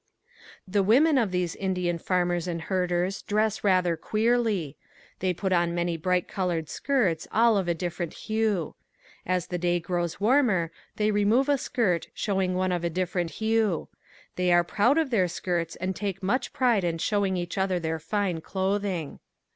The women of these Indian farmers and herders dress rather queerly. They put on many bright colored skirts all of a different hue. As the day grows warmer they remove a skirt showing one of a different hue. They are proud of their skirts and take much pride in showing each other their fine clothing.